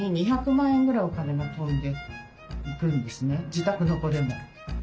自宅の子でも。